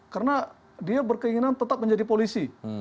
karena dia berkeinginan tetap menjadi polisi